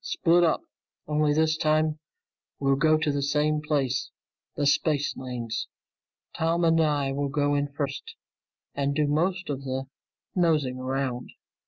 "Split up. Only this time, we'll all go to the same place, the Spacelanes. Tom and I will go in first and do most of the nosing around.